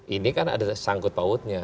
ini kan ada sangkut pautnya